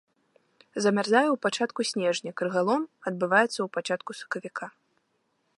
Замярзае ў пачатку снежня, крыгалом адбываецца ў пачатку сакавіка.